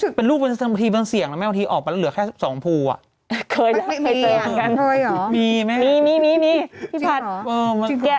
แข่งทุเรียนเหรอฮะ